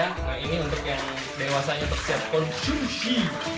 nah ini untuk yang dewasanya tersiap konsumsi